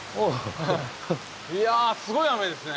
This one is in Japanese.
いやすごい雨ですね。